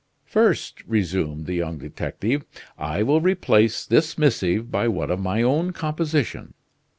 "First," resumed the young detective, "I will replace this missive by one of my own composition.